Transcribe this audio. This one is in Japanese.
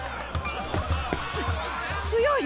つ強い！